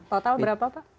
total berapa pak